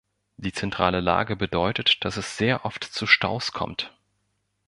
Die zentrale Lage bedeutet, dass es sehr oft zu Staus kommt.